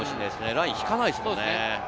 ラインが引かないですもんね。